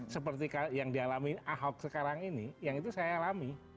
seperti yang dialami ahok sekarang ini yang itu saya alami